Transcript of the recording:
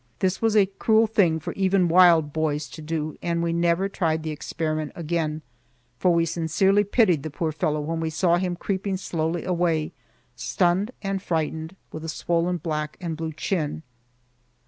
This was a cruel thing for even wild boys to do, and we never tried the experiment again, for we sincerely pitied the poor fellow when we saw him creeping slowly away, stunned and frightened, with a swollen black and blue chin.